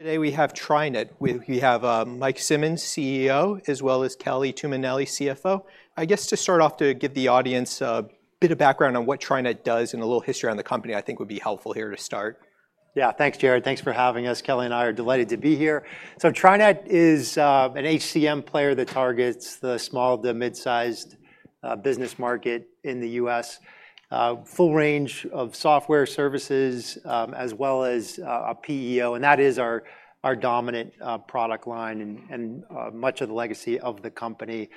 Today we have TriNet. We have Mike Simonds, CEO, as well as Kelly Tuminelli, CFO. I guess to start off, to give the audience a bit of background on what TriNet does and a little history on the company, I think would be helpful here to start. Yeah. Thanks, Jared. Thanks for having us. Kelly and I are delighted to be here. So TriNet is an HCM player that targets the small to mid-sized business market in the U.S. Full range of software services, as well as a PEO, and that is our dominant product line and much of the legacy of the company.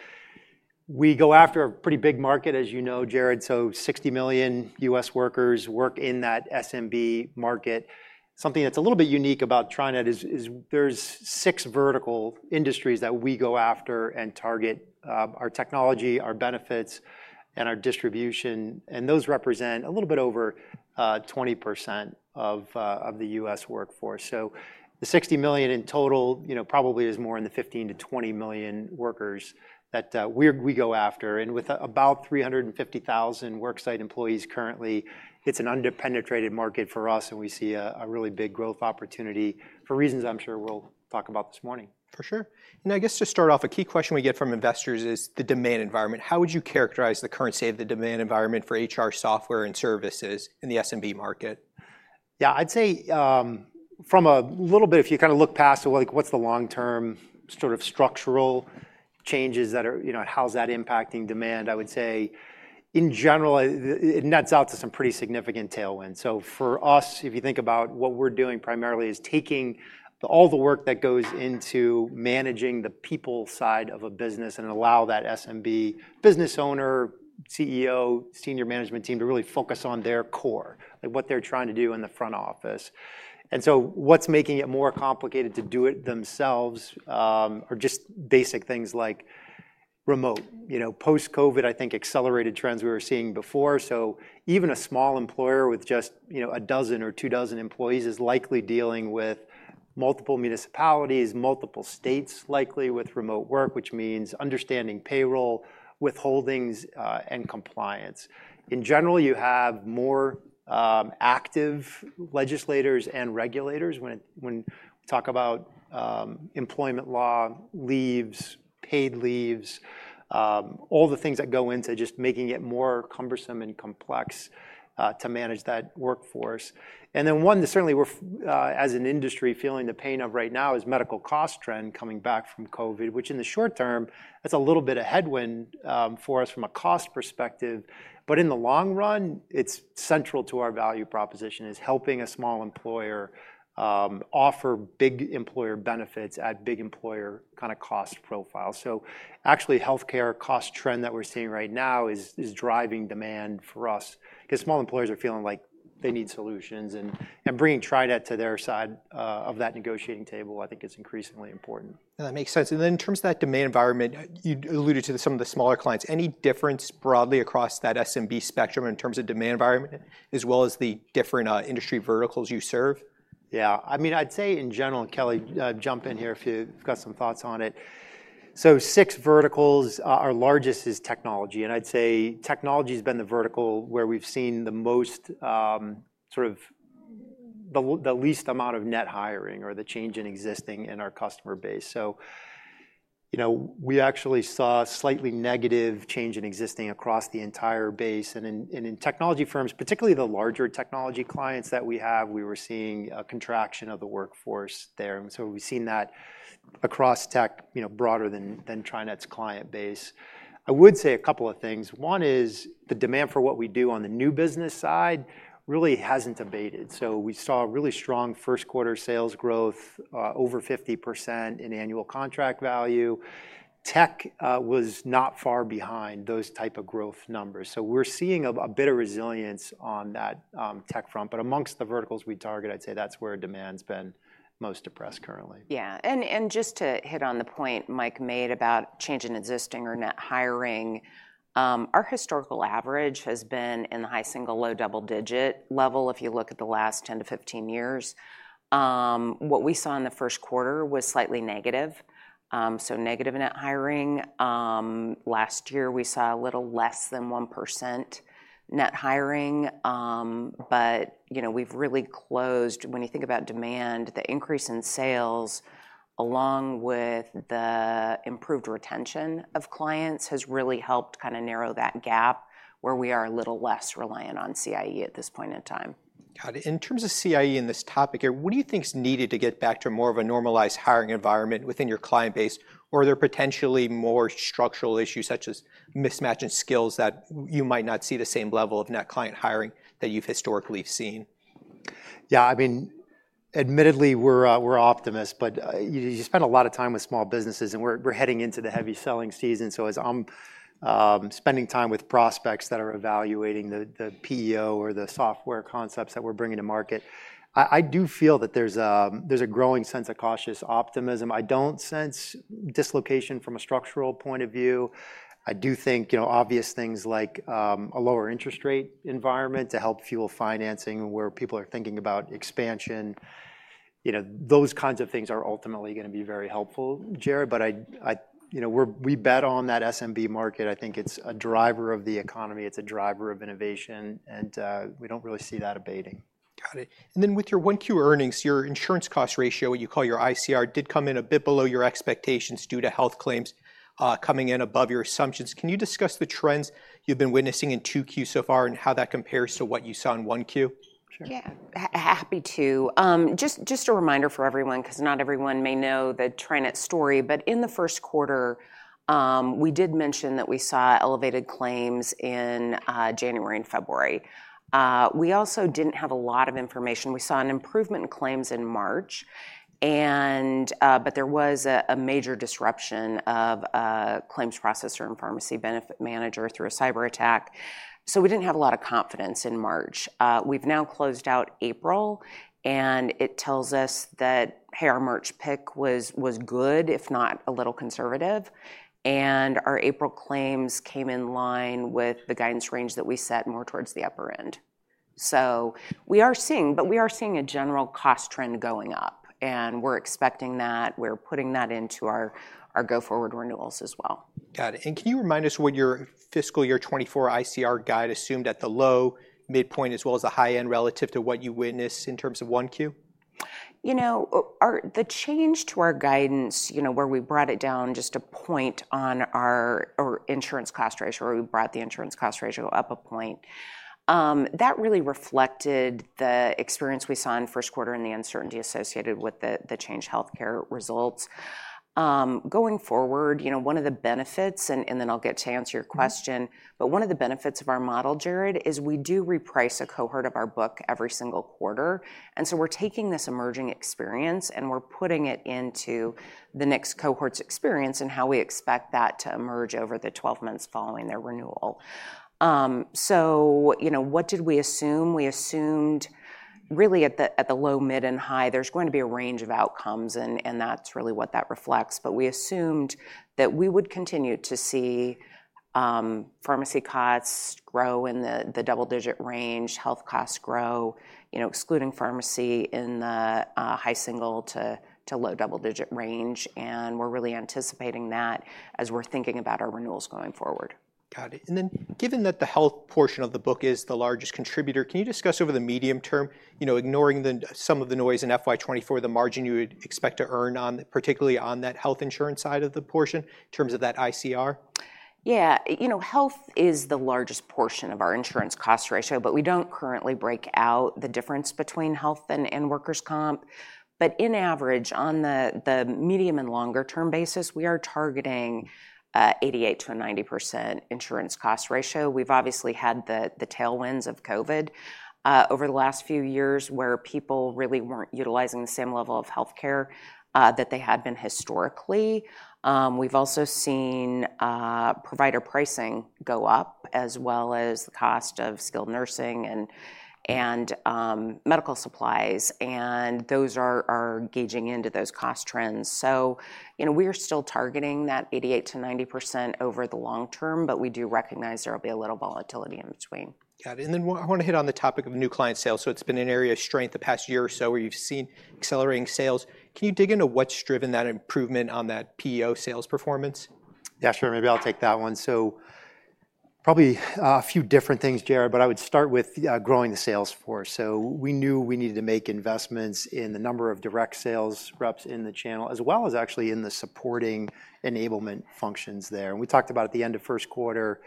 We go after a pretty big market, as you know, Jared, so 60 million U.S. workers work in that SMB market. Something that's a little bit unique about TriNet is there's six vertical industries that we go after and target our technology, our benefits, and our distribution, and those represent a little bit over 20% of the U.S. workforce. So the 60 million in total, you know, probably is more in the 15-20 million workers that we go after, and with about 350,000 worksite employees currently, it's an under-penetrated market for us, and we see a really big growth opportunity, for reasons I'm sure we'll talk about this morning. For sure. And I guess to start off, a key question we get from investors is the demand environment. How would you characterize the current state of the demand environment for HR software and services in the SMB market? Yeah, I'd say from a little bit, if you kind of look past, like, what's the long-term sort of structural changes that are... You know, how's that impacting demand? I would say, in general, it nets out to some pretty significant tailwind. So for us, if you think about what we're doing primarily is taking all the work that goes into managing the people side of a business and allow that SMB business owner, CEO, senior management team to really focus on their core, like what they're trying to do in the front office. And so what's making it more complicated to do it themselves are just basic things like remote. You know, post-COVID, I think accelerated trends we were seeing before, so even a small employer with just, you know, a dozen or two dozen employees is likely dealing with multiple municipalities, multiple states, likely with remote work, which means understanding payroll, withholdings, and compliance. In general, you have more active legislators and regulators when we talk about employment law, leaves, paid leaves, all the things that go into just making it more cumbersome and complex to manage that workforce. And then one that certainly we're feeling the pain of right now as an industry is medical cost trend coming back from COVID, which in the short term, that's a little bit of headwind for us from a cost perspective. But in the long run, it's central to our value proposition, is helping a small employer offer big employer benefits at big employer kind of cost profile. So actually, healthcare cost trend that we're seeing right now is driving demand for us, 'cause small employers are feeling like they need solutions, and bringing TriNet to their side of that negotiating table, I think is increasingly important. That makes sense. And then in terms of that demand environment, you alluded to some of the smaller clients. Any difference broadly across that SMB spectrum in terms of demand environment, as well as the different industry verticals you serve? Yeah. I mean, I'd say in general, Kelly, jump in here if you've got some thoughts on it. So six verticals, our largest is technology, and I'd say technology's been the vertical where we've seen the most, sort of, the least amount of net hiring or the change in existing in our customer base. So, you know, we actually saw slightly negative change in existing across the entire base. And in technology firms, particularly the larger technology clients that we have, we were seeing a contraction of the workforce there. And so we've seen that across tech, you know, broader than TriNet's client base. I would say a couple of things. One is, the demand for what we do on the new business side really hasn't abated. So we saw a really strong first quarter sales growth over 50% in annual contract value. Tech was not far behind those type of growth numbers. So we're seeing a bit of resilience on that tech front, but amongst the verticals we target, I'd say that's where demand's been most depressed currently. Yeah, just to hit on the point Mike made about change in existing or net hiring, our historical average has been in the high single-digit, low double-digit level, if you look at the last 10-15 years. What we saw in the first quarter was slightly negative, so negative net hiring. Last year, we saw a little less than 1% net hiring, but, you know, we've really closed... When you think about demand, the increase in sales, along with the improved retention of clients, has really helped kind of narrow that gap, where we are a little less reliant on CIE at this point in time. Got it. In terms of CIE in this topic here, what do you think is needed to get back to more of a normalized hiring environment within your client base, or are there potentially more structural issues, such as mismatch in skills, that you might not see the same level of net client hiring that you've historically seen? Yeah, I mean, admittedly, we're optimists, but you spend a lot of time with small businesses, and we're heading into the heavy selling season. So as I'm spending time with prospects that are evaluating the PEO or the software concepts that we're bringing to market, I do feel that there's a growing sense of cautious optimism. I don't sense dislocation from a structural point of view. I do think, you know, obvious things like a lower interest rate environment to help fuel financing, where people are thinking about expansion, you know, those kinds of things are ultimately gonna be very helpful, Jared. But I... You know, we bet on that SMB market. I think it's a driver of the economy, it's a driver of innovation, and we don't really see that abating.... Got it. And then with your 1Q earnings, your Insurance Cost Ratio, what you call your ICR, did come in a bit below your expectations due to health claims coming in above your assumptions. Can you discuss the trends you've been witnessing in 2Q so far, and how that compares to what you saw in 1Q? Sure. Yeah, happy to. Just a reminder for everyone, 'cause not everyone may know the TriNet story, but in the first quarter, we did mention that we saw elevated claims in January and February. We also didn't have a lot of information. We saw an improvement in claims in March, and but there was a major disruption of claims processor and pharmacy benefit manager through a cyberattack. So we didn't have a lot of confidence in March. We've now closed out April, and it tells us that, hey, our March pick was good, if not a little conservative, and our April claims came in line with the guidance range that we set, more towards the upper end. So we are seeing, but we are seeing a general cost trend going up, and we're expecting that. We're putting that into our go-forward renewals as well. Got it. Can you remind us what your fiscal year 2024 ICR guide assumed at the low midpoint, as well as the high end relative to what you witnessed in terms of 1Q? You know, our, the change to our guidance, you know, where we brought it down just a point on our insurance cost ratio, or we brought the Insurance Cost Ratio up a point, that really reflected the experience we saw in first quarter and the uncertainty associated with the Change Healthcare results. Going forward, you know, one of the benefits, and then I'll get to answer your question, but one of the benefits of our model, Jared, is we do reprice a cohort of our book every single quarter. And so we're taking this emerging experience, and we're putting it into the next cohort's experience and how we expect that to emerge over the 12 months following their renewal. So, you know, what did we assume? We assumed really at the low, mid, and high, there's going to be a range of outcomes, and that's really what that reflects. But we assumed that we would continue to see pharmacy costs grow in the double-digit range, health costs grow, you know, excluding pharmacy in the high single- to low double-digit range, and we're really anticipating that as we're thinking about our renewals going forward. Got it. And then, given that the health portion of the book is the largest contributor, can you discuss over the medium term, you know, ignoring some of the noise in FY 2024, the margin you would expect to earn on, particularly on that health insurance side of the portion, in terms of that ICR? Yeah. You know, health is the largest portion of our insurance cost ratio, but we don't currently break out the difference between health and workers' comp. But in average, on the medium and longer-term basis, we are targeting 88%-90% insurance cost ratio. We've obviously had the tailwinds of COVID over the last few years, where people really weren't utilizing the same level of healthcare that they had been historically. We've also seen provider pricing go up, as well as the cost of skilled nursing and medical supplies, and those are gauging into those cost trends. So, you know, we are still targeting that 88%-90% over the long term, but we do recognize there will be a little volatility in between. Got it, and then I want to hit on the topic of new client sales. So it's been an area of strength the past year or so, where you've seen accelerating sales. Can you dig into what's driven that improvement on that PEO sales performance? Yeah, sure. Maybe I'll take that one. So probably a few different things, Jared, but I would start with growing the sales force. So we knew we needed to make investments in the number of direct sales reps in the channel, as well as actually in the supporting enablement functions there. And we talked about, at the end of first quarter,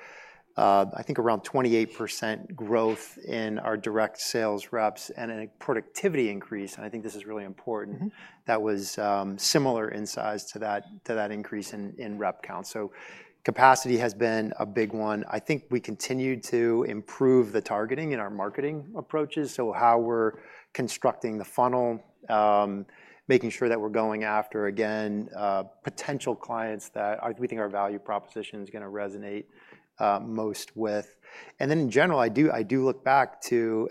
I think around 28% growth in our direct sales reps and a productivity increase, and I think this is really important- Mm-hmm... that was similar in size to that increase in rep count. So capacity has been a big one. I think we continued to improve the targeting in our marketing approaches, so how we're constructing the funnel, making sure that we're going after, again, potential clients that are, we think our value proposition is gonna resonate most with. And then, in general, I do look back to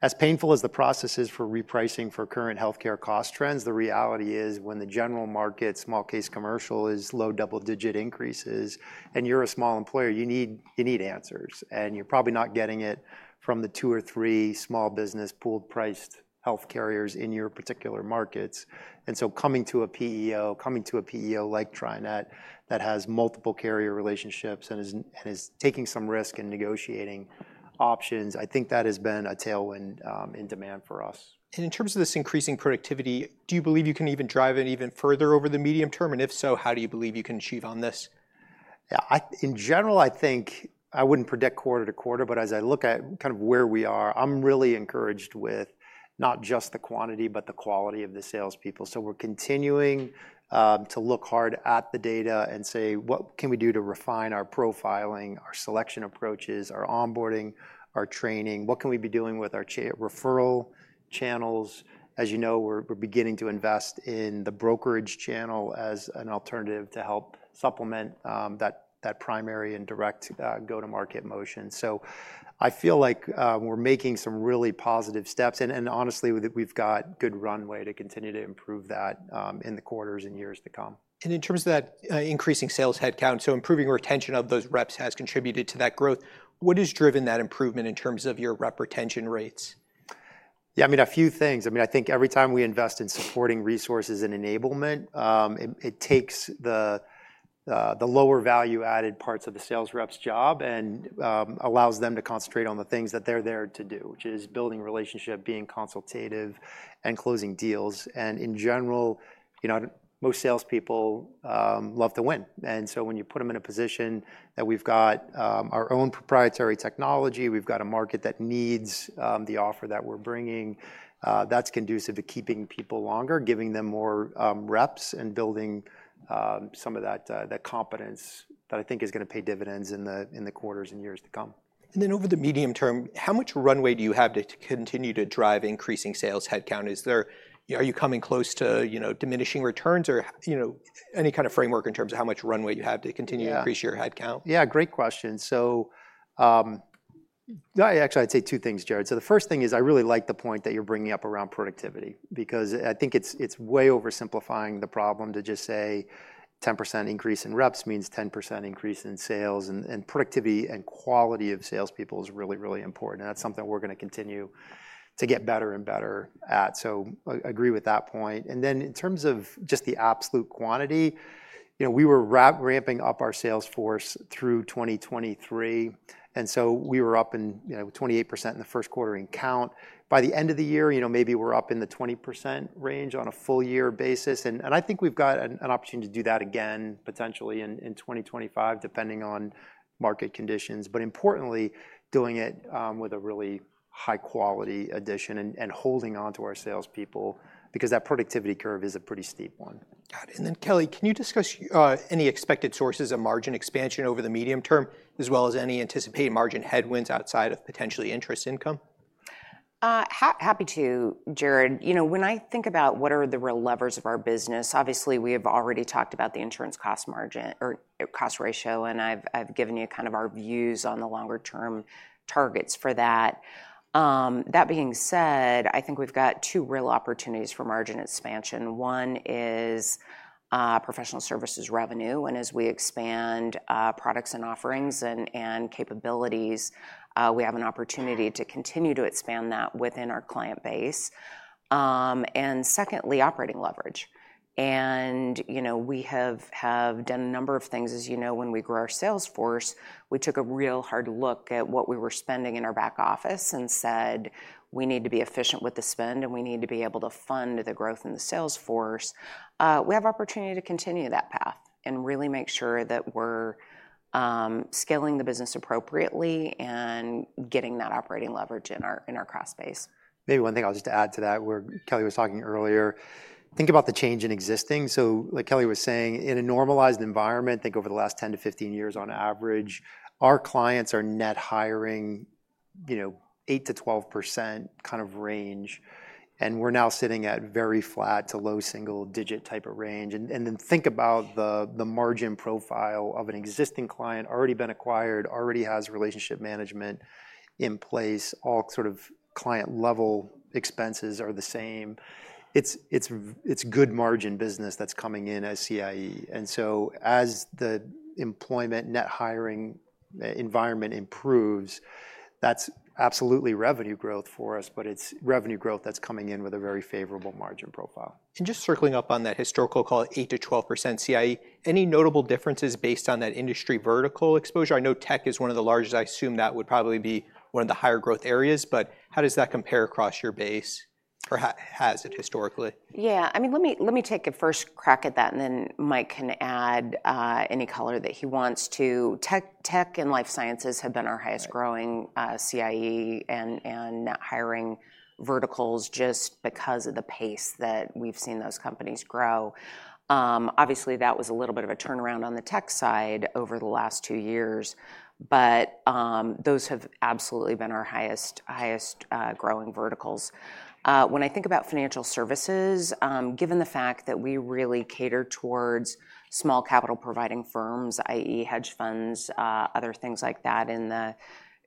as painful as the process is for repricing for current healthcare cost trends, the reality is, when the general market, small case commercial, is low double-digit increases, and you're a small employer, you need answers. And you're probably not getting it from the two or three small business pooled priced health carriers in your particular markets. And so coming to a PEO, coming to a PEO like TriNet, that has multiple carrier relationships and is, and is taking some risk in negotiating options, I think that has been a tailwind in demand for us. In terms of this increasing productivity, do you believe you can even drive it even further over the medium term? If so, how do you believe you can achieve on this? Yeah, I, in general, I think I wouldn't predict quarter to quarter, but as I look at kind of where we are, I'm really encouraged with not just the quantity, but the quality of the salespeople. So we're continuing to look hard at the data and say: What can we do to refine our profiling, our selection approaches, our onboarding, our training? What can we be doing with our referral channels? As you know, we're beginning to invest in the brokerage channel as an alternative to help supplement that primary and direct go-to-market motion. So I feel like we're making some really positive steps, and honestly, we've got good runway to continue to improve that in the quarters and years to come. And in terms of that, increasing sales headcount, so improving retention of those reps has contributed to that growth. What has driven that improvement in terms of your rep retention rates?... Yeah, I mean, a few things. I mean, I think every time we invest in supporting resources and enablement, it takes the lower value-added parts of the sales rep's job, and allows them to concentrate on the things that they're there to do, which is building relationship, being consultative, and closing deals. And in general, you know, most salespeople love to win. And so when you put them in a position that we've got our own proprietary technology, we've got a market that needs the offer that we're bringing, that's conducive to keeping people longer, giving them more reps, and building some of that competence that I think is going to pay dividends in the quarters and years to come. Over the medium term, how much runway do you have to continue to drive increasing sales headcount? Are you coming close to, you know, diminishing returns or, you know, any kind of framework in terms of how much runway you have to continue- Yeah... to increase your headcount? Yeah, great question. So, I actually, I'd say two things, Jared. So the first thing is, I really like the point that you're bringing up around productivity, because I think it's, it's way oversimplifying the problem to just say 10% increase in reps means 10% increase in sales, and, and productivity and quality of salespeople is really, really important. And that's something we're going to continue to get better and better at. So I agree with that point. And then in terms of just the absolute quantity, you know, we were ramping up our sales force through 2023, and so we were up in, you know, 28% in the first quarter in count. By the end of the year, you know, maybe we're up in the 20% range on a full year basis. I think we've got an opportunity to do that again, potentially in 2025, depending on market conditions. But importantly, doing it with a really high-quality addition and holding on to our salespeople, because that productivity curve is a pretty steep one. Got it. And then, Kelly, can you discuss any expected sources of margin expansion over the medium term, as well as any anticipated margin headwinds outside of potentially interest income? Happy to, Jared. You know, when I think about what are the real levers of our business, obviously, we have already talked about the insurance cost margin or cost ratio, and I've given you kind of our views on the longer-term targets for that. That being said, I think we've got two real opportunities for margin expansion. One is professional services revenue, and as we expand products and offerings and capabilities, we have an opportunity to continue to expand that within our client base. And secondly, operating leverage. And, you know, we have done a number of things as you know, when we grew our sales force, we took a real hard look at what we were spending in our back office and said: "We need to be efficient with the spend, and we need to be able to fund the growth in the sales force." We have opportunity to continue that path and really make sure that we're scaling the business appropriately and getting that operating leverage in our cross base. Maybe one thing I'll just add to that, where Kelly was talking earlier, think about the change in existing. So like Kelly was saying, in a normalized environment, I think over the last 10-15 years, on average, our clients are net hiring, you know, 8%-12% kind of range, and we're now sitting at very flat to low single-digit type of range. And then think about the margin profile of an existing client, already been acquired, already has relationship management in place, all sort of client-level expenses are the same. It's good margin business that's coming in as CIE. And so as the employment net hiring environment improves, that's absolutely revenue growth for us, but it's revenue growth that's coming in with a very favorable margin profile. Just circling up on that historical call, 8%-12% CIE, any notable differences based on that industry vertical exposure? I know tech is one of the largest. I assume that would probably be one of the higher growth areas, but how does that compare across your base, or has it historically? Yeah, I mean, let me take a first crack at that, and then Mike can add any color that he wants to. Tech and life sciences have been our highest growing- Right... CIE and, and net hiring verticals just because of the pace that we've seen those companies grow. Obviously, that was a little bit of a turnaround on the tech side over the last two years, but, those have absolutely been our highest, highest, growing verticals. When I think about financial services, given the fact that we really cater towards small capital-providing firms, i.e., hedge funds, other things like that, in the-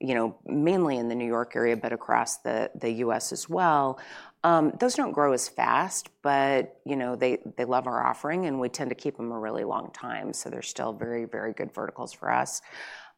you know, mainly in the New York area, but across the, the U.S. as well, those don't grow as fast, but, you know, they, they love our offering, and we tend to keep them a really long time, so they're still very, very good verticals for us.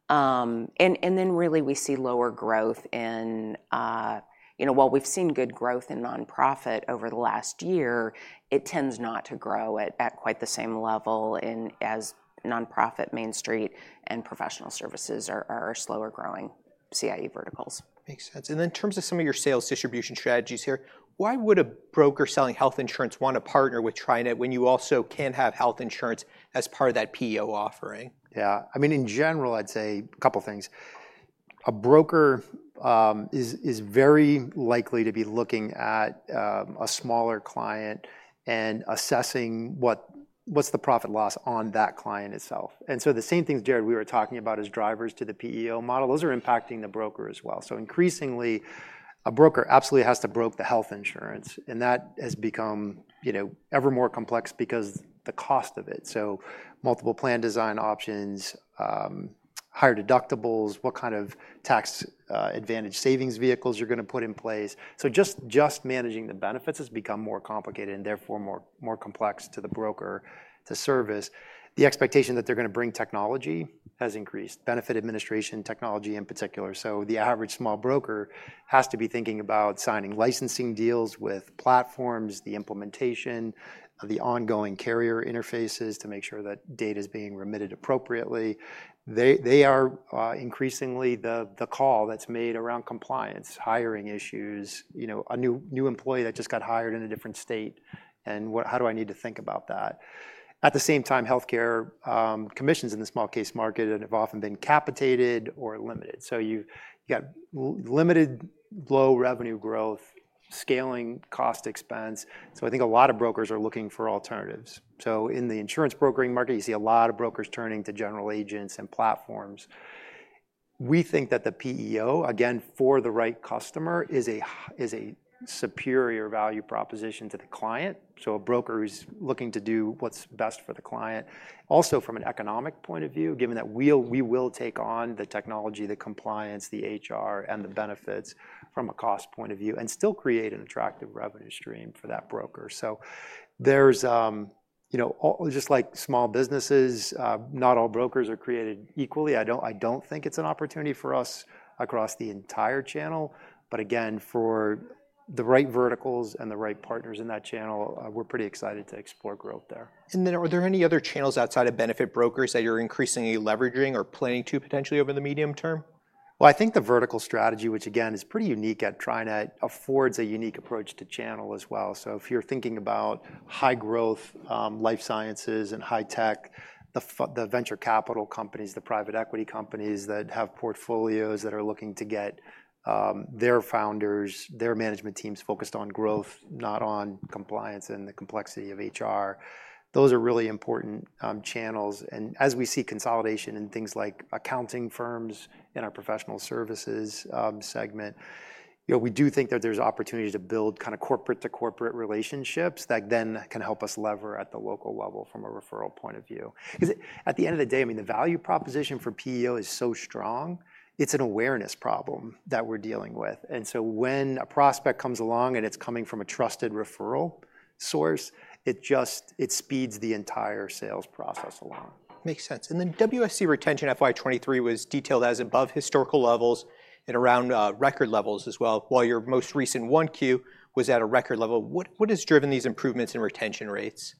And, and then really, we see lower growth in... You know, while we've seen good growth in nonprofit over the last year, it tends not to grow at quite the same level as nonprofit, Main Street, and professional services are slower-growing CIE verticals. Makes sense. And then in terms of some of your sales distribution strategies here, why would a broker selling health insurance want to partner with TriNet when you also can have health insurance as part of that PEO offering? Yeah, I mean, in general, I'd say a couple of things. A broker is very likely to be looking at a smaller client and assessing what's the profit loss on that client itself. And so the same things, Jared, we were talking about as drivers to the PEO model, those are impacting the broker as well. So increasingly, a broker absolutely has to broker the health insurance, and that has become, you know, ever more complex because the cost of it. So multiple plan design options, higher deductibles, what kind of tax advantage savings vehicles you're gonna put in place? So just managing the benefits has become more complicated and therefore, more complex to the broker to service. The expectation that they're gonna bring technology has increased, benefit administration technology in particular. So the average small broker has to be thinking about signing licensing deals with platforms, the implementation of the ongoing carrier interfaces to make sure that data is being remitted appropriately. They are increasingly the call that's made around compliance, hiring issues, you know, a new employee that just got hired in a different state, and what- how do I need to think about that? At the same time, healthcare commissions in the small case market have often been capitated or limited. So you've got limited low revenue growth, scaling cost expense. So I think a lot of brokers are looking for alternatives. So in the insurance brokering market, you see a lot of brokers turning to general agents and platforms. We think that the PEO, again, for the right customer, is a superior value proposition to the client, so a broker who's looking to do what's best for the client. Also, from an economic point of view, given that we will take on the technology, the compliance, the HR, and the benefits from a cost point of view, and still create an attractive revenue stream for that broker. So there's, you know, just like small businesses, not all brokers are created equally. I don't, I don't think it's an opportunity for us across the entire channel, but again, for the right verticals and the right partners in that channel, we're pretty excited to explore growth there. Are there any other channels outside of benefit brokers that you're increasingly leveraging or planning to potentially over the medium term? Well, I think the vertical strategy, which again, is pretty unique at TriNet, affords a unique approach to channel as well. So if you're thinking about high growth, life sciences and high tech, the the venture capital companies, the private equity companies that have portfolios that are looking to get their founders, their management teams focused on growth, not on compliance and the complexity of HR, those are really important channels. And as we see consolidation in things like accounting firms in our professional services segment, you know, we do think that there's opportunity to build kind of corporate-to-corporate relationships that then can help us lever at the local level from a referral point of view. 'Cause at the end of the day, I mean, the value proposition for PEO is so strong, it's an awareness problem that we're dealing with. And so when a prospect comes along, and it's coming from a trusted referral source, it just speeds the entire sales process along. Makes sense. Then WSE retention FY 2023 was detailed as above historical levels and around record levels as well, while your most recent 1Q was at a record level. What, what has driven these improvements in retention rates?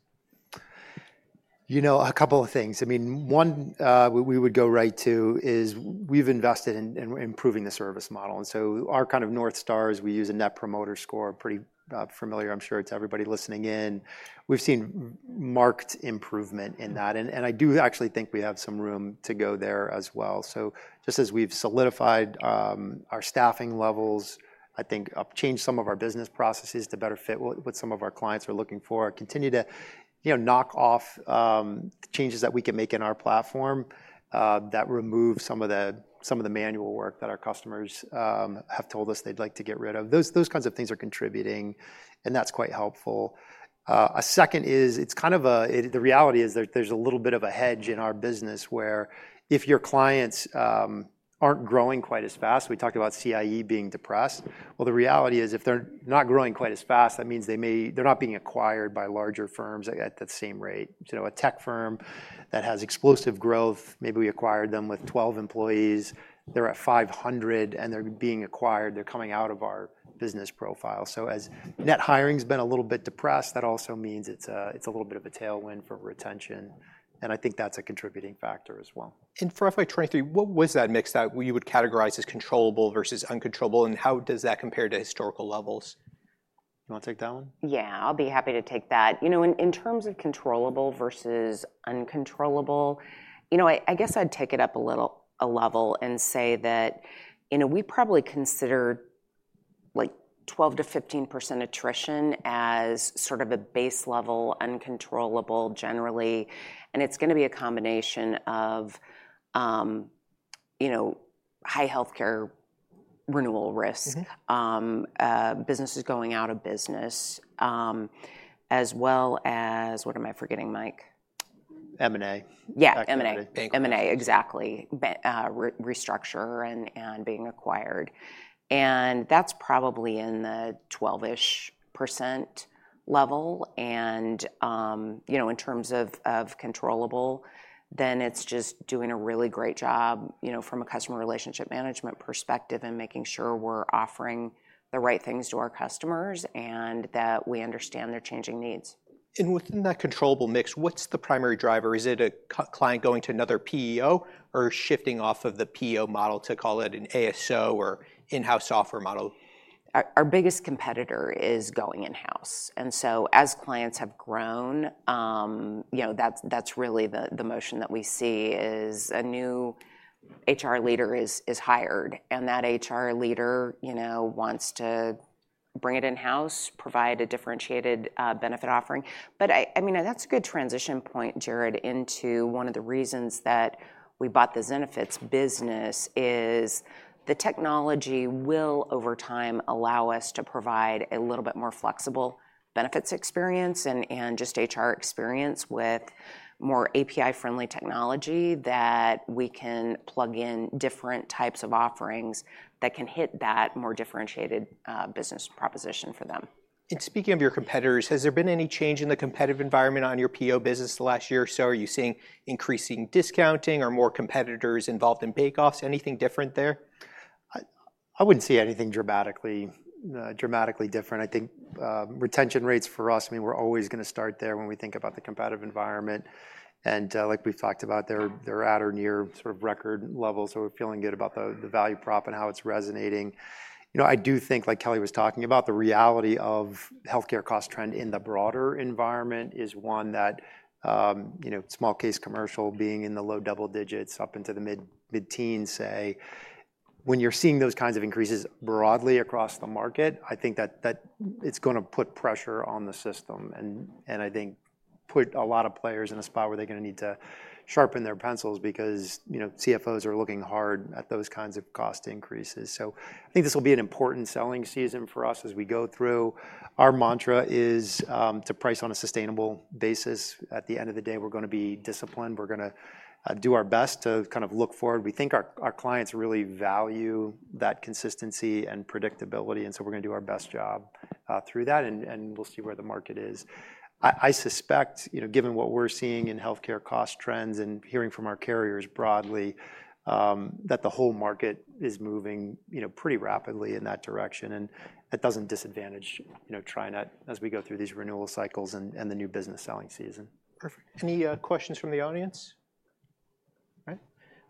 You know, a couple of things. I mean, one, we would go right to is we've invested in improving the service model, and so our kind of North Star is we use a Net Promoter Score, pretty familiar. I'm sure it's everybody listening in. We've seen marked improvement in that, and I do actually think we have some room to go there as well. So just as we've solidified our staffing levels, I think changed some of our business processes to better fit what some of our clients are looking for, continue to, you know, knock off changes that we can make in our platform that remove some of the manual work that our customers have told us they'd like to get rid of. Those kinds of things are contributing, and that's quite helpful. The reality is there, there's a little bit of a hedge in our business, where if your clients aren't growing quite as fast, we talked about CIE being depressed. Well, the reality is, if they're not growing quite as fast, that means they're not being acquired by larger firms at the same rate. You know, a tech firm that has explosive growth, maybe we acquired them with 12 employees. They're at 500, and they're being acquired. They're coming out of our business profile. So as net hiring's been a little bit depressed, that also means it's a little bit of a tailwind for retention, and I think that's a contributing factor as well. For FY 2023, what was that mix that you would categorize as controllable versus uncontrollable, and how does that compare to historical levels? You wanna take that one? Yeah, I'll be happy to take that. You know, in terms of controllable versus uncontrollable, you know, I guess I'd take it up a little, a level and say that, you know, we probably consider, like, 12%-15% attrition as sort of a base-level uncontrollable generally. And it's gonna be a combination of, you know, high healthcare renewal risk- Mm-hmm... businesses going out of business, as well as, what am I forgetting, Mike? M&A. Yeah, M&A. Bank- M&A, exactly, bankruptcies, restructures and being acquired, and that's probably in the 12-ish% level. And, you know, in terms of controllable, then it's just doing a really great job, you know, from a customer relationship management perspective and making sure we're offering the right things to our customers and that we understand their changing needs. Within that controllable mix, what's the primary driver? Is it a client going to another PEO or shifting off of the PEO model to call it an ASO or in-house software model? Our biggest competitor is going in-house, and so as clients have grown, you know, that's really the motion that we see is a new HR leader is hired, and that HR leader, you know, wants to bring it in-house, provide a differentiated benefit offering. But I mean, that's a good transition point, Jared, into one of the reasons that we bought the Zenefits business is the technology will, over time, allow us to provide a little bit more flexible benefits experience, and just HR experience with more API-friendly technology, that we can plug in different types of offerings that can hit that more differentiated business proposition for them. And speaking of your competitors, has there been any change in the competitive environment on your PEO business the last year or so? Are you seeing increasing discounting or more competitors involved in bakeoffs? Anything different there? I wouldn't say anything dramatically different. I think, retention rates for us, I mean, we're always gonna start there when we think about the competitive environment. And, like we've talked about, they're at or near sort of record levels, so we're feeling good about the value prop and how it's resonating. You know, I do think, like Kelly was talking about, the reality of healthcare cost trend in the broader environment is one that, you know, small case commercial being in the low double digits up into the mid-teens, say. When you're seeing those kinds of increases broadly across the market, I think that it's gonna put pressure on the system, and I think put a lot of players in a spot where they're gonna need to sharpen their pencils because, you know, CFOs are looking hard at those kinds of cost increases. So I think this will be an important selling season for us as we go through. Our mantra is to price on a sustainable basis. At the end of the day, we're gonna be disciplined. We're gonna do our best to kind of look forward. We think our clients really value that consistency and predictability, and so we're gonna do our best job through that, and we'll see where the market is. I suspect, you know, given what we're seeing in healthcare cost trends and hearing from our carriers broadly, that the whole market is moving, you know, pretty rapidly in that direction, and that doesn't disadvantage, you know, TriNet as we go through these renewal cycles and the new business selling season. Perfect. Any questions from the audience?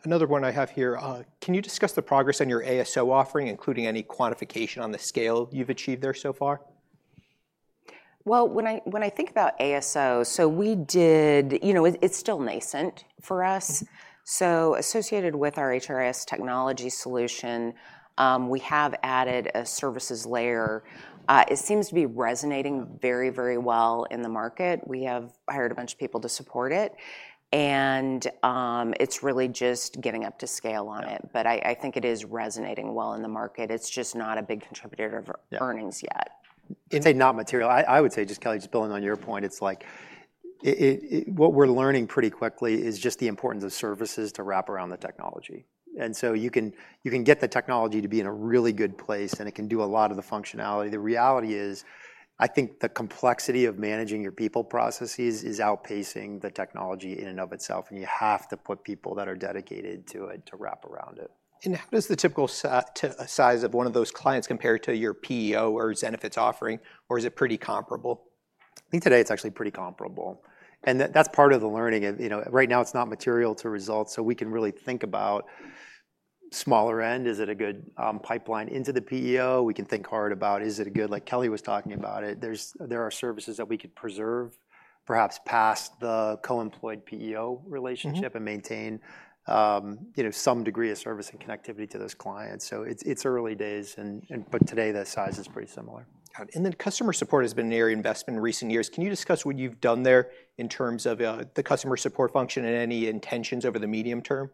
All right, another one I have here: "Can you discuss the progress on your ASO offering, including any quantification on the scale you've achieved there so far? Well, when I think about ASO, so we did... You know, it, it's still nascent for us. So associated with our HRI S technology solution, we have added a services layer. It seems to be resonating very, very well in the market. We have hired a bunch of people to support it, and, it's really just getting up to scale on it. Yeah. But I think it is resonating well in the market. It's just not a big contributor for- Yeah... earnings yet. I'd say not material. I would say, just, Kelly, just building on your point, it's like what we're learning pretty quickly is just the importance of services to wrap around the technology. And so you can get the technology to be in a really good place, and it can do a lot of the functionality. The reality is, I think the complexity of managing your people processes is outpacing the technology in and of itself, and you have to put people that are dedicated to it to wrap around it. How does the typical size of one of those clients compare to your PEO or Zenefits offering, or is it pretty comparable? I think today it's actually pretty comparable, and that's part of the learning. And, you know, right now it's not material to results, so we can really think about smaller end. Is it a good pipeline into the PEO? We can think hard about, is it a good... Like Kelly was talking about it, there's- there are services that we could preserve, perhaps past the co-employed PEO relationship- Mm-hmm... and maintain, you know, some degree of service and connectivity to those clients. So it's early days, but today the size is pretty similar. Got it. And then customer support has been an area of investment in recent years. Can you discuss what you've done there in terms of the customer support function and any intentions over the medium term?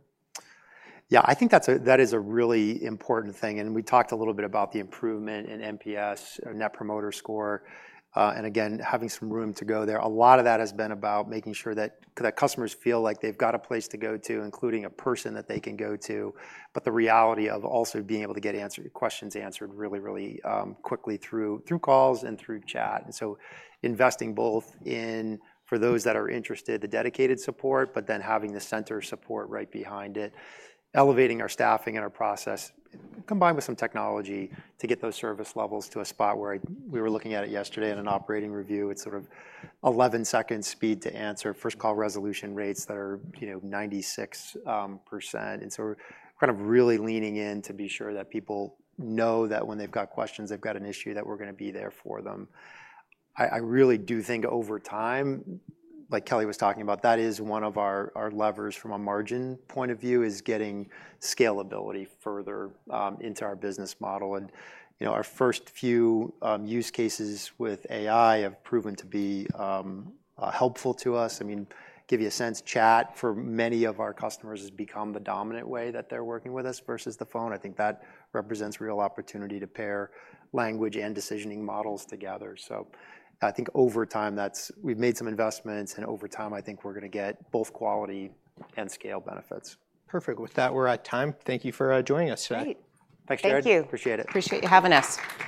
Yeah, I think that's, that is a really important thing, and we talked a little bit about the improvement in NPS, or Net Promoter Score, and again, having some room to go there. A lot of that has been about making sure that customers feel like they've got a place to go to, including a person that they can go to, but the reality of also being able to get questions answered really, really quickly through calls and through chat. And so investing both in, for those that are interested, the dedicated support, but then having the center support right behind it. Elevating our staffing and our process, combined with some technology, to get those service levels to a spot where... We were looking at it yesterday in an operating review. It's sort of 11 seconds speed to answer, first call resolution rates that are, you know, 96%. And so we're kind of really leaning in to be sure that people know that when they've got questions, they've got an issue, that we're gonna be there for them. I really do think over time, like Kelly was talking about, that is one of our levers from a margin point of view, is getting scalability further into our business model. And, you know, our first few use cases with AI have proven to be helpful to us. I mean, give you a sense, chat for many of our customers has become the dominant way that they're working with us versus the phone. I think that represents real opportunity to pair language and decisioning models together. So I think over time, that's... We've made some investments, and over time, I think we're gonna get both quality and scale benefits. Perfect. With that, we're at time. Thank you for joining us today. Great. Thanks, Jared. Thank you. Appreciate it. Appreciate you having us.